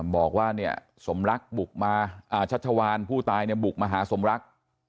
บอกว่าเนี่ยสมรักบุกมาชัชวานผู้ตายเนี่ยบุกมาหาสมรัก